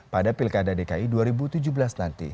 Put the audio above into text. pada pilkada dki dua ribu tujuh belas nanti